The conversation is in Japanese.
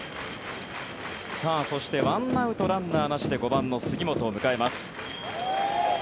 そして、１アウトランナーなしで５番の杉本を迎えます。